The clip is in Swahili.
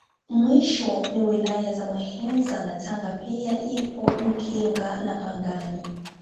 Mwisho ni Wilaya za Muheza na Tanga pia ipo Mkinga na Pangani